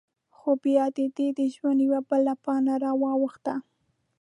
خو؛ بیا د دهٔ د ژوند یوه بله پاڼه را واوښته…